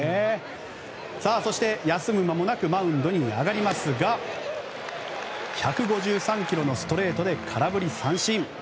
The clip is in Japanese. そして、休む間もなくマウンドに上がりますが１５３キロのストレートで空振り三振。